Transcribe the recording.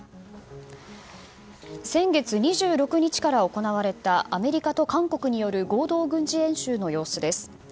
先月２６日から行われたアメリカと韓国による合同軍事演習の様子です。